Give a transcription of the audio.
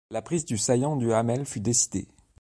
La prise du saillant du Hamel fut décidée.